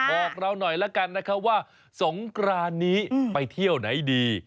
บอกเราหน่อยแล้วกันนะครับว่าสงกรานนี้ไปเที่ยวไหนดี